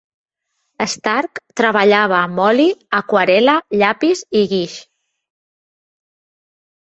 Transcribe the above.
Stark treballava amb oli, aquarel·la, llapis i guix.